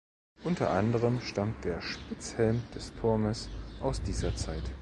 Unter anderem stammt der Spitzhelm des Turmes aus dieser Zeit.